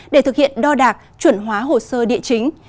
để thực hiện đo đạc chuẩn hóa hồ sơ địa chính